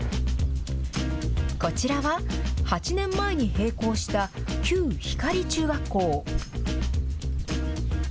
こちらは、８年前に閉校した旧光中学校。